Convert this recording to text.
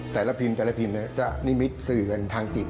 แต่ละพิมพ์จะนิมิตสื่ออยู่กันทางจิต